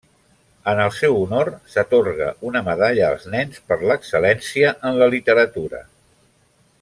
En el seu honor, s'atorga una medalla als nens per l'excel·lència en la literatura.